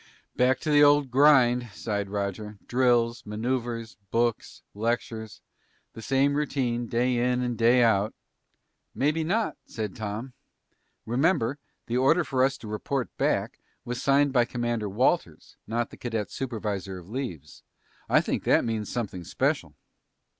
"Back to the old grind," sighed Roger. "Drills, maneuvers, books, lectures. The same routine, day in day out." "Maybe not," said Tom. "Remember, the order for us to report back was signed by Commander Walters, not the cadet supervisor of leaves. I think that means something special."